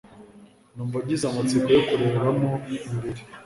numva ngize amatsiko yo kureba mo imbere